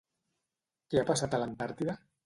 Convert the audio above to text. Què ha passat a l'Antàrtida?